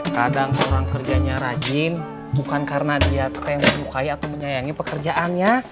kadang seorang kerjanya rajin bukan karena dia pengen menyukai atau menyayangi pekerjaannya